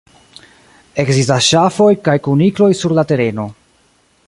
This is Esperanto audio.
Ekzistas ŝafoj kaj kunikloj sur la tereno.